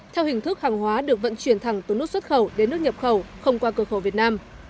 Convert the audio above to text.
theo hình thức hàng hóa được vận chuyển thẳng từ nút xuất khẩu đến nước nhập khẩu không qua cửa khẩu việt nam